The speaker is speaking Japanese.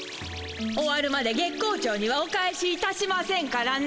終わるまで月光町にはお帰しいたしませんからね。